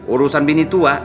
urusan bini tua